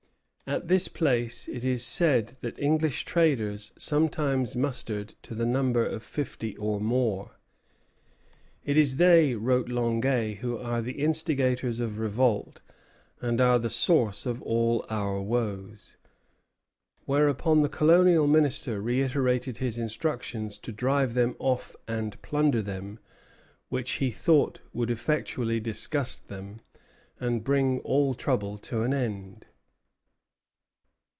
At this place it is said that English traders sometimes mustered to the number of fifty or more. "It is they," wrote Longueuil, "who are the instigators of revolt and the source of all our woes." Whereupon the Colonial Minister reiterated his instructions to drive them off and plunder them, which he thought would "effectually disgust them," and bring all trouble to an end.